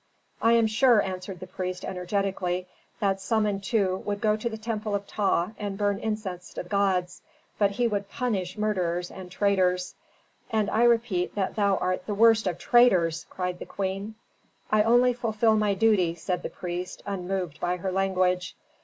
"I am sure," answered the priest, energetically, "that Samentu would go to the temple of Ptah and burn incense to the gods; but he would punish murderers and traitors." "And I repeat that thou art the worst of traitors!" cried the queen. "I only fulfil my duty," said the priest, unmoved by her language.